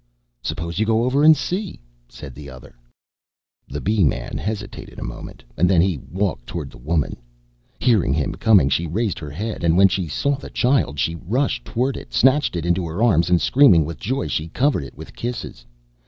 "Suppose you go over and see," said the other. The Bee man hesitated a moment, and then he walked toward the woman. Hearing him coming, she raised her head, and when she saw the child she rushed towards it, snatched it into her arms, and screaming with joy she covered it with kisses.